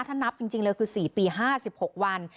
ถ้านับจริงเลยคือ๔ปี๕๖วัน